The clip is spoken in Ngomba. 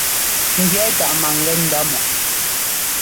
Ŋjʉɛ́ táʼ maŋgɛ́ ndá mɔ.